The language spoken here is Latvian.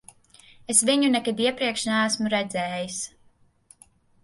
Es viņu nekad iepriekš neesmu redzējis.